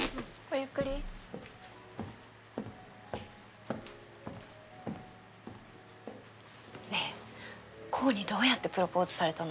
ゆっくりねぇ煌にどうやってプロポーズされたの？